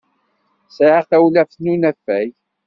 Sɛiɣ tawlaft n unafag.